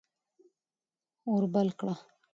اور بل کړه.